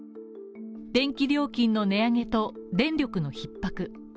電気料金の値上げと電力のひっ迫。